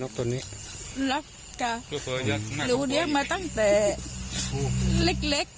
นกตัวนี้รักกะหรือเลี้ยงมาตั้งแต่เล็ก